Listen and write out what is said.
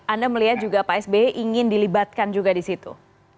anda melihat juga pak sby ingin dilibatkan juga di situ